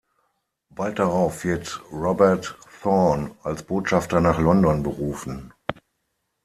Bald darauf wird Robert Thorn als Botschafter nach London berufen.